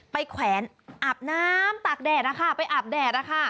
แขวนอาบน้ำตากแดดนะคะไปอาบแดด